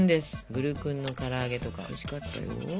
グルクンの唐揚げとかおいしかったよ。